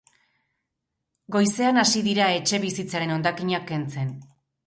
Goizean hasi dira etxebizitzaren hondakinak kentzen.